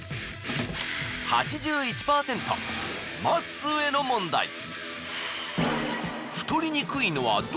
まっすーへの問題。